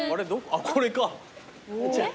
あっこれか。